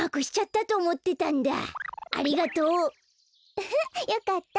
ウフッよかった。